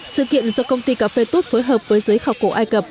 sự kiện do công ty cà phê tut phối hợp với giới khảo cổ ai cập